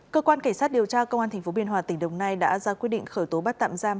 cơ quan cảnh sát điều tra công an tp biên hòa tỉnh đồng nai đã ra quyết định khởi tố bắt tạm giam